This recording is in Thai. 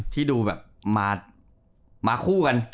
ที่ดูแบบมาคู่กัน